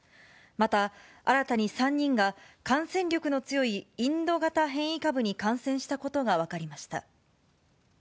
また、新たに３人が、感染力の強いインド型変異株に感染したことが分かりました。